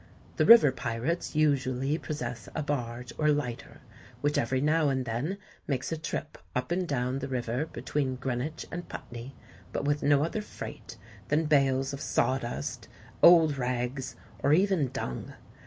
The river pirates usually possess a barge or lighter, which every now and then makes a trip up and down the river between Greenwich and Putney, but with no other freight than bales of sawdust, old rags, or even dung.